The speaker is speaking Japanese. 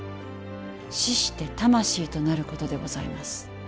死して魂となることでございます。